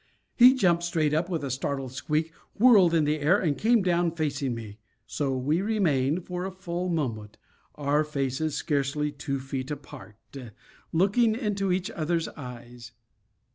He jumped straight up with a startled squeak, whirled in the air, and came down facing me. So we remained for a full moment, our faces scarcely two feet apart, looking into each other's eyes.